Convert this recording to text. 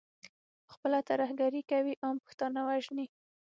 پخپله ترهګري کوي، عام پښتانه وژني.